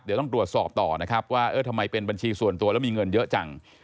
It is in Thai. เดี๋ยวต้องตรวจสอบต่อนะครับว่าเออทำไมเป็นบัญชีส่วนตัวแล้วมีเงินเยอะจัง